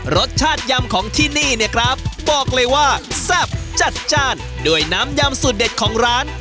รสชาติยำของที่นี่เนี่ยครับบอกเลยว่าแซ่บจัดจ้านด้วยน้ำยำสูตรเด็ดของร้าน